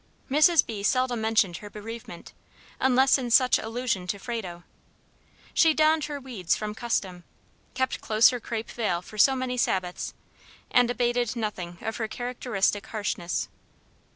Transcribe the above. Mrs. B. seldom mentioned her bereavement, unless in such allusion to Frado. She donned her weeds from custom; kept close her crape veil for so many Sabbaths, and abated nothing of her characteristic harshness.